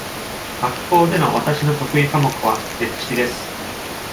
学校での私の得意科目は歴史です。